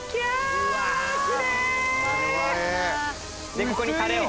でここにタレを。